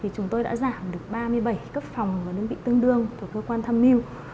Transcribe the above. chúng tôi đã giảm được ba mươi bảy cấp phòng và đơn vị tương đương thuộc cơ quan tham mưu